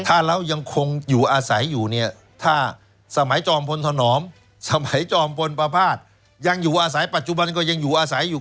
ถ้าเรายังคงอยู่อาศัยอยู่เนี่ยถ้าสมัยจอมพลธนอมสมัยจอมพลประพาทยังอยู่อาศัยปัจจุบันก็ยังอยู่อาศัยอยู่